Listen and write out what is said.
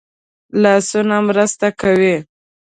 لاسونه مرسته کوي